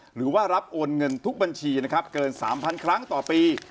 หรือว่ารับโอนเงินทุกบัญชีนะครับเกิน๓๐๐ครั้งต่อปี